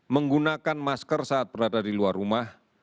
menggunakan masker saat berada di luar rumah